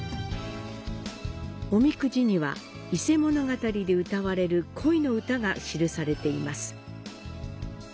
おみくじには、伊勢物語で詠われる恋の歌が記されています。